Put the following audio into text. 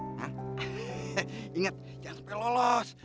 he he inget jangan sampai lolos